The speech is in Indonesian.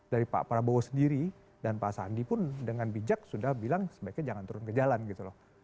dari pak prabowo sendiri dan pak sandi pun dengan bijak sudah bilang sebaiknya jangan turun ke jalan gitu loh